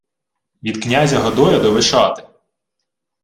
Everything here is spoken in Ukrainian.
— Від князя Годоя до Вишати!